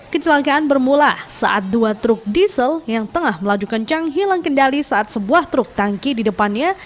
kecelakaan bermula saat dua truk diesel yang tengah melaju kencang hilang kendali saat sebuah truk tangki di depannya